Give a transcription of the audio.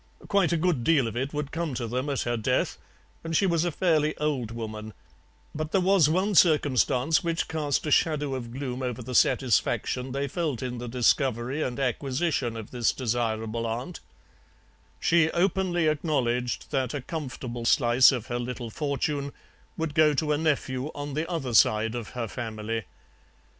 Quite a good deal of it would come to them at her death, and she was a fairly old woman, but there was one circumstance which cast a shadow of gloom over the satisfaction they felt in the discovery and acquisition of this desirable aunt: she openly acknowledged that a comfortable slice of her little fortune would go to a nephew on the other side of her family.